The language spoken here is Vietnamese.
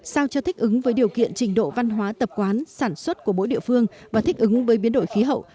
sao cho thích ứng với điều kiện trình độ văn hóa tập quán sản xuất của mỗi địa phương và thích ứng với biến đổi khí hậu